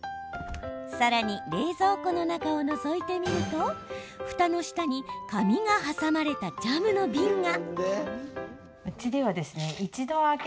さらに、冷蔵庫の中をのぞいてみるとふたの下に紙が挟まれたジャムの瓶が。